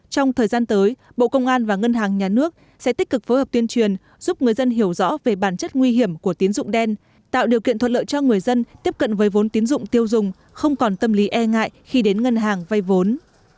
trong thời gian tới bộ công an và ngân hàng nhà nước sẽ tích cực phối hợp tuyên truyền giúp người dân hiểu rõ về bản chất nguy hiểm của tín dụng đen tạo điều kiện thuận lợi cho người dân tiếp cận với vốn tiến dụng tiêu dùng không còn tâm lý e ngại khi đến ngân hàng vay vốn